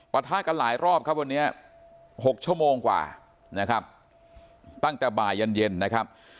ทะกันหลายรอบครับวันนี้๖ชั่วโมงกว่านะครับตั้งแต่บ่ายเย็นเย็นนะครับ